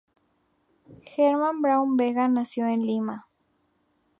Herman Braun Vega nació en Lima.